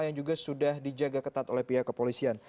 yang juga sudah dijaga ketat oleh pihak kepolisian